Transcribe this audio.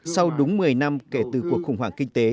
sau đúng một mươi năm kể từ cuộc khủng hoảng kinh tế